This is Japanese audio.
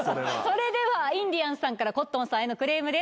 それではインディアンスさんからコットンさんへのクレームです。